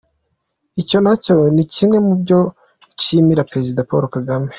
Icyo na cyo ni kimwe mu byo nshimira Perezida Paul Kagame.